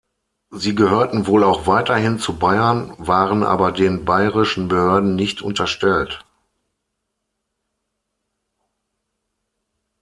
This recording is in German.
Sie gehörten wohl auch weiterhin zu Bayern, waren aber den bayerischen Behörden nicht unterstellt.